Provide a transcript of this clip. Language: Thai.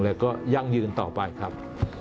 แล้วก็ยั่งยืนต่อไปครับ